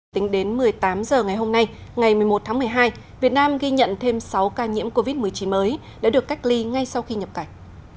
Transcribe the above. tính đến một mươi tám h ngày hôm nay ngày một mươi một tháng một mươi hai việt nam ghi nhận thêm sáu ca nhiễm covid một mươi chín mới đã được cách ly ngay sau khi nhập cảnh